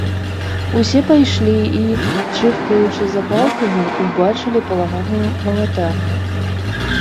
Усе пайшлі і, чыркаючы запалкамі, убачылі паламаную малатарню.